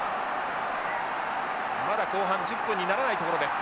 まだ後半１０分にならないところです。